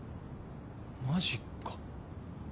マジか。